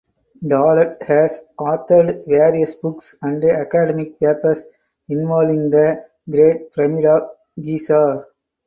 Tallet has authored various books and academic papers involving the Great Pyramid of Giza.